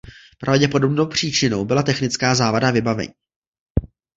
Pravděpodobnou příčinou byla technická závada vybavení.